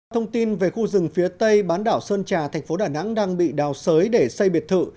thông tin về khu rừng phía tây bán đảo sơn trà thành phố đà nẵng đang bị đào sới để xây biệt thự